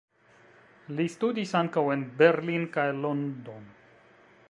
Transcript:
Li studis ankaŭ en Berlin kaj London.